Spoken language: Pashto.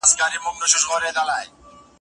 خدای خبر څه پېښه وه